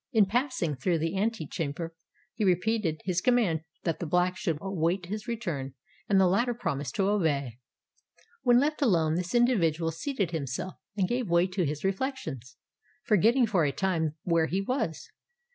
In passing through the ante chamber he repeated his command that the Black should await his return; and the latter promised to obey. When left alone, this individual seated himself, and gave way to his reflections, forgetting for a time where he was.